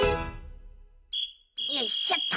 よいしょっと。